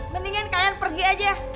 mendingan kalian pergi aja